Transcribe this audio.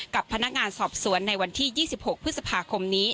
กับพนักงานสอบสวนในวันที่๒๖พฤษภาคมนี้